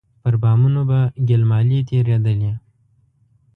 پر بامونو به ګيل مالې تېرېدلې.